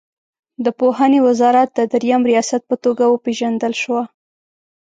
د پوهنې وزارت د دریم ریاست په توګه وپېژندل شوه.